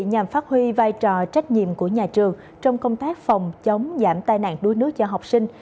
nhằm phát huy vai trò trách nhiệm của nhà trường trong công tác phòng chống giảm tai nạn đuối nước cho học sinh